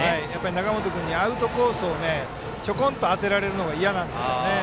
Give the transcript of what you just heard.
中本君にアウトコースをちょこんと当てられるのが嫌なんでしょうね。